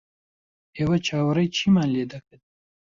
ئێوە چاوەڕێی چیمان لێ دەکەن؟